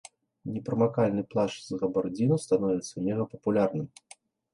Непрамакальны плашч з габардзіну становіцца мегапапулярным.